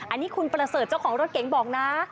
อันนี้คุณประเสริฐเจ้าของรถเก๋งบอกนะ